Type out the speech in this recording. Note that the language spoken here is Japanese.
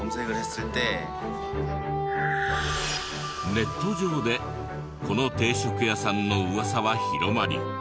ネット上でこの定食屋さんの噂は広まり。